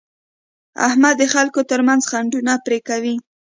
احمد د خلکو ترمنځ خنډونه پرې کوي.